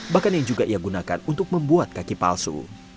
bahkan yang juga ia gunakan untuk membuat kaki palsu